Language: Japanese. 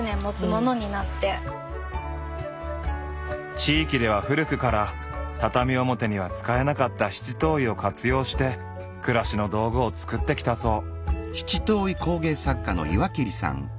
地域では古くから畳表には使えなかった七島藺を活用して暮らしの道具を作ってきたそう。